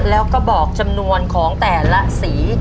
แล้วก็บอกจำนวนของแต่ละสี